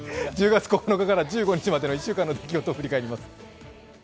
１０月９日から１５日までの１週間のニュースを振り返ります。